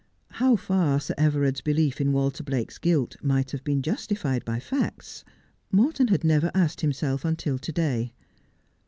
How far Sir Everard's belief in Walter Blake's guilt might have been justified by facts Morton had never asked himself until to day.